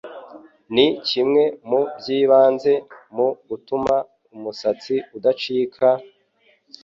ni kimwe mu by'ibanze mu gutuma umusatsi udacika,